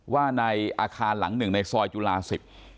ว่าในอาคารหลังหนึ่งในซอยจุฬาสิบ